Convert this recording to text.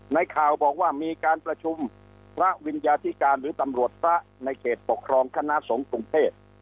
ในข่าวบอกว่ามีการประชุมพระวิญญาธิการหรือตำรวจพระในเขตปกครองคณะสงฆ์กรุงเทพ